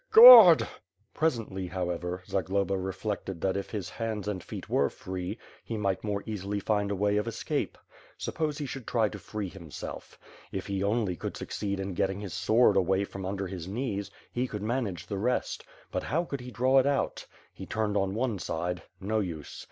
God!" Presently, however, Zagloba reflected that if his hands and feet were free, he might more easily find a way of escape " Suppose he should try to free himself. If he only could suc ceed in getting his sword away from under his knees, he could manage the rest; but how could he draw it out. He turned on one side, — no use.